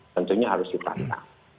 tentunya harus ditantang